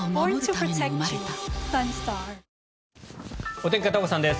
お天気、片岡さんです。